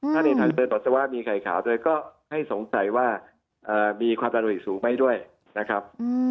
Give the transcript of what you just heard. ถ้าในทางเดินปัสสาวะมีไข่ขาวโดยก็ให้สงสัยว่ามีความอร่อยสูงไหมด้วยนะครับ